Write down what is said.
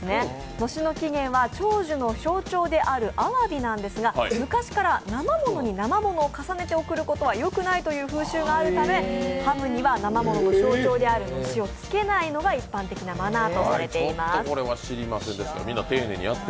のしの起源は長寿の象徴であるあわびなんですが昔から生ものに生ものを重ねて贈ることは良くないという風習があるためハムには生ものの象徴であるのしをつけないのがマナーと言われています。